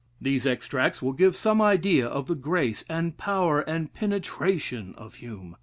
These extracts will give some idea of the grace, and power, and penetration of Hume.